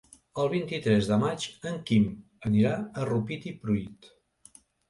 El vint-i-tres de maig en Quim anirà a Rupit i Pruit.